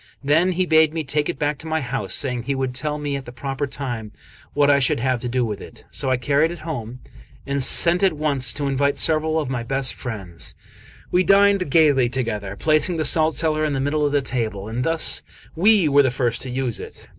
Then he bade me take it back to my house, saying he would tell me at the proper time what I should have to do with it. So I carried it home, and sent at once to invite several of my best friends; we dined gaily together, placing the salt cellar in the middle of the table, and thus we were the first to use it.